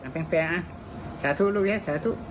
แฟนสาธุลูกนี้สาธุ